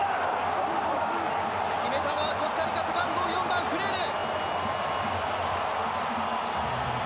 決めたのはコスタリカ背番号４番フレル。